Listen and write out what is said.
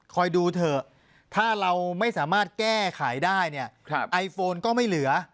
คอยดูเถอะถ้าเราไม่สามารถแก้ขายได้ไอโฟนก็ไม่เหลือ